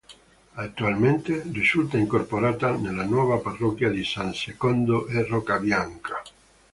Attualmente risulta incorporata nella nuova parrocchia di San Secondo e Roccabianca.